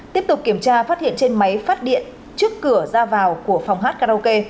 tiếp tục kiểm tra phát hiện trên máy phát điện trước cửa ra vào của phòng hát karaoke